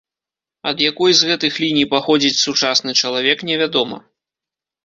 Ад якой з гэтых ліній паходзіць сучасны чалавек, невядома.